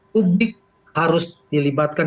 publik harus dilibatkan